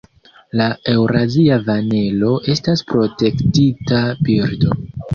La Eŭrazia vanelo estas protektita birdo.